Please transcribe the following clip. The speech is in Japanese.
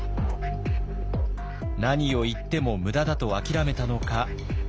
何を言っても無駄だと諦めたのか。